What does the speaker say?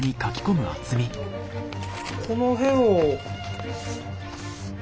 この辺を。